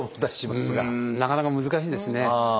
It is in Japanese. なかなか難しいですね。